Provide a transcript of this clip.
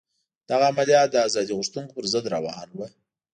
دغه عملیات د ازادي غوښتونکو پر ضد روان وو.